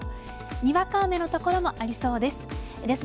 にわか雨の所もありそうです。